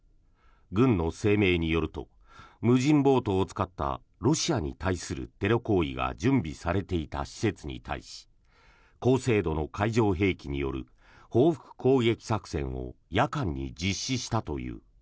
軍の声明によると無人ボートを使ったロシアに対するテロ行為が準備されていた施設に対し高精度の海上兵器による報復攻撃作戦を夜間に実施したという。